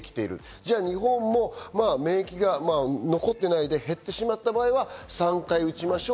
じゃあ日本も免疫が残っていないで減ってしまった場合は３回打ちましょう。